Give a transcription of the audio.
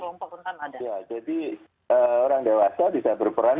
jadi orang dewasa bisa berperan